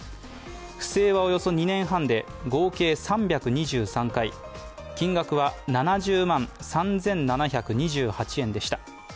不正はおよそ２年半で合計３２３回金額は７０万３７２８円でした。